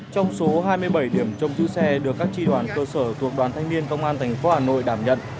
trong số hai mươi bảy điểm trong giữ xe được các tri đoàn cơ sở thuộc đoàn thanh niên công an thành phố hà nội đảm nhận